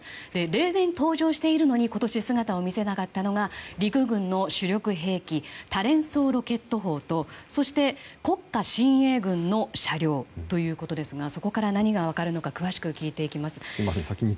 例年登場しているのに今年姿を見せなかったのが陸軍の主力兵器多連装ロケット砲とそして国家親衛軍の車両ということですがそこから何が分かるのか詳しく聞いていきます。